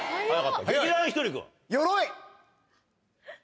劇団ひとり君。